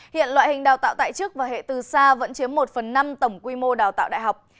hiện loại hình đào tạo tại chức và hệ từ xa vẫn chiếm một phần năm tổng quy mô đào tạo đại học